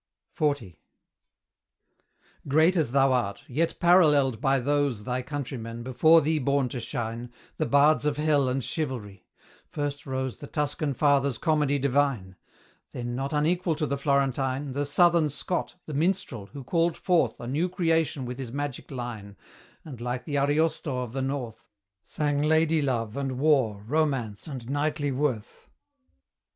XL. Great as thou art, yet paralleled by those Thy countrymen, before thee born to shine, The bards of Hell and Chivalry: first rose The Tuscan father's comedy divine; Then, not unequal to the Florentine, The Southern Scott, the minstrel who called forth A new creation with his magic line, And, like the Ariosto of the North, Sang ladye love and war, romance and knightly worth.